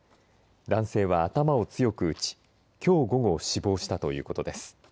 男性は、頭を強く打ちきょう午後死亡したということです。